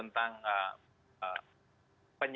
untuk meneruskan upaya upaya